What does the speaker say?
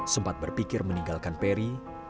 sempat berpikir meninggalkan perry